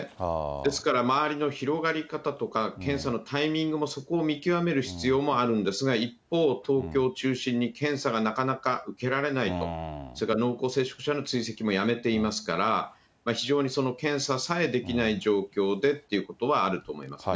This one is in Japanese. ですから周りの広がり方とか、検査のタイミングも、そこを見極める必要もあるんですが、一方、東京を中心に検査がなかなか受けられないと、それから濃厚接触者の追跡もやめていますから、非常に検査さえできない状況でっていうことはあると思いますね。